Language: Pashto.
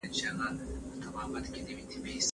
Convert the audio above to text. دا به هیڅکله هیر نه شي.